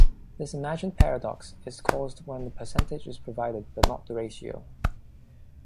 This imagined paradox is caused when the percentage is provided but not the ratio.